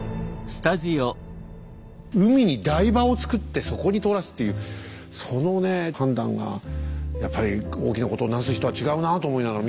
海に台場を造ってそこに通らすっていうそのね判断がやっぱり大きなことを成す人は違うなと思いながら見てましたけどね。